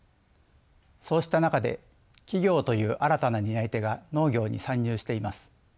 そうした中で企業という新たな担い手が農業に参入しています。